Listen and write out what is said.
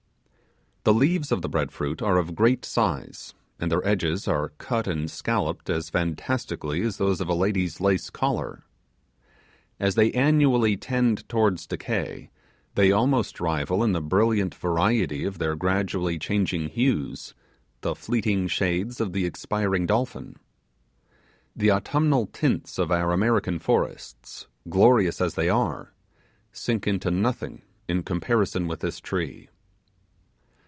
The leaves of the bread fruit are of great size, and their edges are cut and scolloped as fantastically as those of a lady's lace collar. As they annually tend towards decay, they almost rival in brilliant variety of their gradually changing hues the fleeting shades of the expiring dolphin. The autumnal tints of our American forests, glorious as they are, sink into nothing in comparison with this tree.